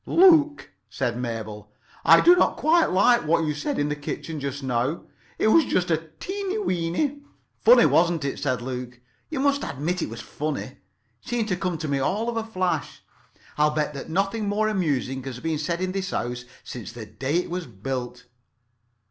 "Luke," said Mabel, "I did not quite like what you said in the kitchen just now. It was just a teeny weeny——" "Funny, wasn't it?" said Luke. "You must admit it was funny. Seemed to come to me all of a flash. I'll bet that nothing more amusing has been said in this house since the day it was built.